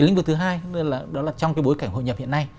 lĩnh vực thứ hai đó là trong bối cảnh hội nhập hiện nay